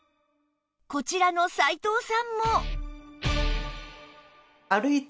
こちらの齋藤さんも